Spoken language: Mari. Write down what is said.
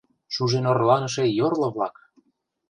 Шужен орланыше йорло-влак!..